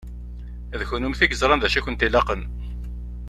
D kennemti i yeẓṛan d acu i kent-ilaqen.